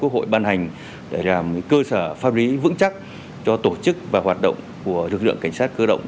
quốc hội ban hành để làm cơ sở pháp lý vững chắc cho tổ chức và hoạt động của lực lượng cảnh sát cơ động